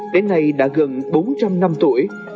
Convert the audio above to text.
đến nay đã gần bốn trăm linh năm tuổi